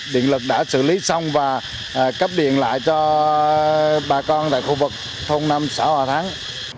điện lực đã xử lý xong và cấp điện lại cho bà con tại khu vực thôn năm xã hòa thắng